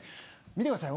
見てください